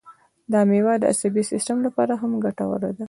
دا مېوه د عصبي سیستم لپاره هم ګټوره ده.